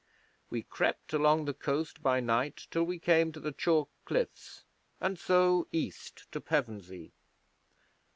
We crept along the coast by night till we came to the chalk cliffs, and so east to Pevensey.